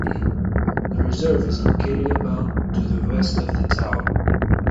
The reserve is located about to the west of the town.